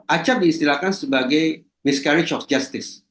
acap diistilahkan sebagai miscarage of justice